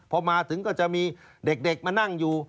พอมาถึงก็จะมีเด็กมานั่งอยู่